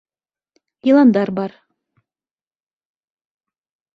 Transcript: Йыландар бар.